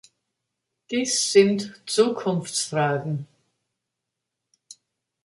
Dies sind Zukunftsfragen.